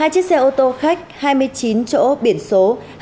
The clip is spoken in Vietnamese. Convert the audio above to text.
hai chiếc xe ô tô khách hai mươi chín chỗ biển số